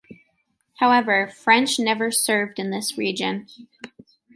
However, French never served in this region.